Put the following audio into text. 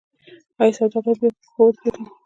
آیا سوداګر بیا په پښو ودرېدل؟